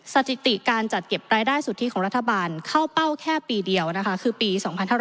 สถิติการจัดเก็บรายได้สุทธิของรัฐบาลเข้าเป้าแค่ปีเดียวนะคะคือปี๒๕๕๙